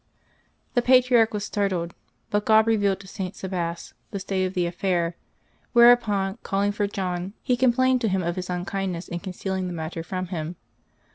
The patriarch was startled, but God revealed to St. Sabas the state of the affair, whereupon, calling for John, he complained to him of his unkindness in concealing the matter from him.